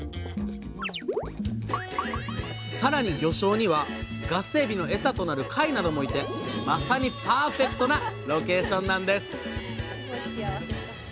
さらに魚礁にはガスエビのエサとなる貝などもいてまさにパーフェクトなロケーションなんです！